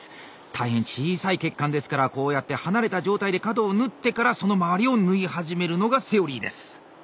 大変小さい血管ですからこうやって離れた状態で角を縫ってからその周りを縫い始めるのがセオリーです。